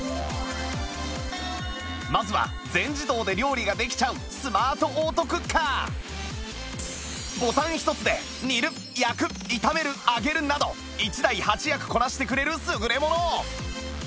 まずは全自動で料理ができちゃうボタンひとつで煮る焼く炒める揚げるなど１台８役こなしてくれる優れもの！